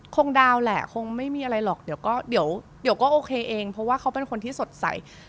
ดาวแหละคงไม่มีอะไรหรอกเดี๋ยวก็เดี๋ยวก็โอเคเองเพราะว่าเขาเป็นคนที่สดใส